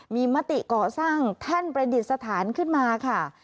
มีมติก่อสร้างแท่นประดิษฐานขึ้นมาค่ะ